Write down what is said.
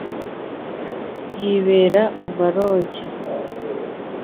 yibera mu ma lodge